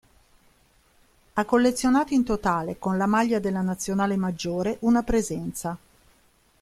Ha collezionato in totale, con la maglia della Nazionale maggiore, una presenza.